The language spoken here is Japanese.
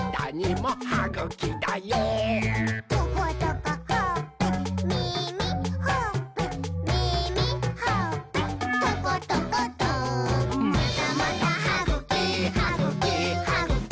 「トコトコほっぺ」「みみ」「ほっぺ」「みみ」「ほっぺ」「トコトコト」「またまたはぐき！はぐき！はぐき！